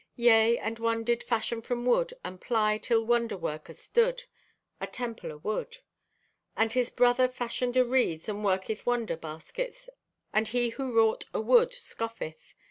Yea, and one did fashion from wood, and ply till wonderwork astood, a temple o' wood. And his brother fashioneth o' reeds and worketh wonder baskets. And he who wrought o' wood scoffeth.